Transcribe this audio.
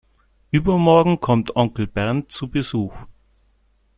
Übermorgen kommt Onkel Bernd zu Besuch.